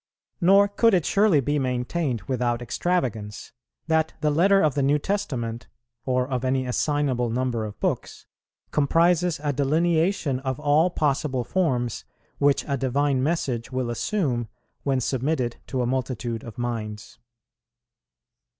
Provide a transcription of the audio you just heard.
Nor could it surely be maintained without extravagance that the letter of the New Testament, or of any assignable number of books, comprises a delineation of all possible forms which a divine message will assume when submitted to a multitude of minds.